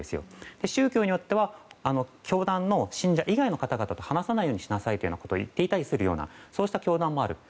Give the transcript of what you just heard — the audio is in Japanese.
宗教によっては教団の信者以外の方々と話さないようにしなさいと言っているようなこともあると。